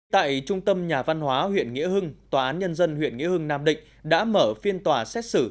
tại trung tâm nhà văn hóa huyện nghĩa hưng tòa án nhân dân huyện nghĩa hưng nam định đã mở phiên tòa xét xử